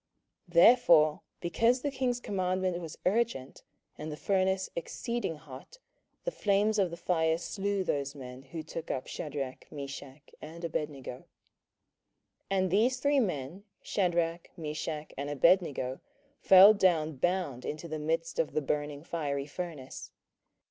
27:003:022 Therefore because the king's commandment was urgent, and the furnace exceeding hot, the flames of the fire slew those men that took up Shadrach, Meshach, and Abednego. 27:003:023 And these three men, Shadrach, Meshach, and Abednego, fell down bound into the midst of the burning fiery furnace.